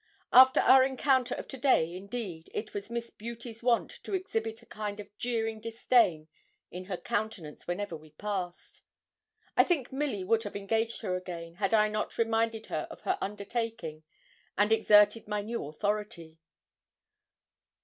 After our encounter of to day, indeed, it was Miss 'Beauty's' wont to exhibit a kind of jeering disdain in her countenance whenever we passed. I think Milly would have engaged her again, had I not reminded her of her undertaking, and exerted my new authority.